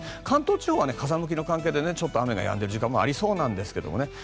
関東地方は風向きの関係でちょっと雨がやむ時間もありそうなんですけどね。